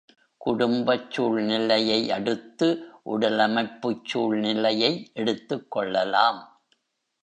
குடும்பச் சூழ்நிலையையடுத்து உடலமைப்புச் சூழ்நிலையை எடுத்துக் கொள்ளலாம்.